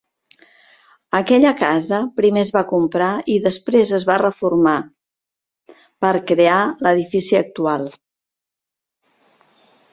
Aquella casa primer es va comprar i després es va reformar, per crear l'edifici actual.